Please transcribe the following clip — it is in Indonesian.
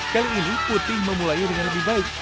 kali ini putih memulainya dengan lebih baik